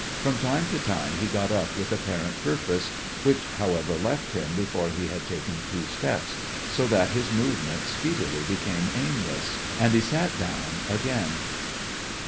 From time to time he got up with apparent purpose, which, however, left him before he had taken two steps, so that his movement speedily became aimless, and he sat down again.